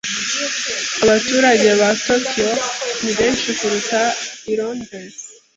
Abaturage ba Tokiyo ni benshi kuruta i Londres.